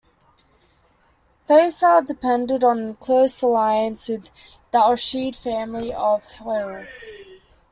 Faisal depended on a close alliance with the Al Rashid family of Hail.